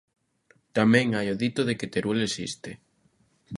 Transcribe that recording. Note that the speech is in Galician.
Tamén hai o dito de que Teruel existe.